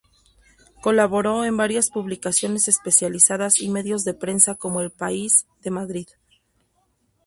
Colaboró en varias publicaciones especializadas y medios de prensa como "El País" de Madrid.